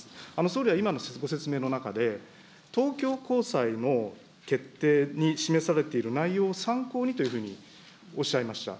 総理は今のご説明の中で、東京高裁の決定に示されている内容を参考にというふうにおっしゃいました。